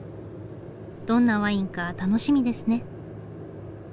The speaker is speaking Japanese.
どんなワインか楽しみですね。